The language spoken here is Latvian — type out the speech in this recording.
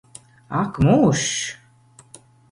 Ak mūžs!